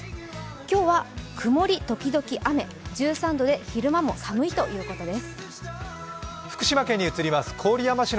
今日は曇り時々雨、１３度で昼間も寒いということです。